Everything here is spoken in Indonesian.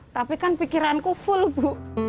tapi kan pikiranku full bu